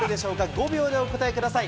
５秒でお答えください。